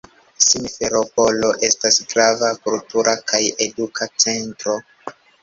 Simferopolo estas grava kultura kaj eduka centro.